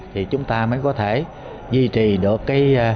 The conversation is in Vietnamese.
thì chúng ta mới có thể duy trì được